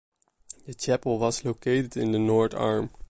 The chapel was located in the north arm.